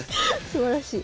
すばらしい。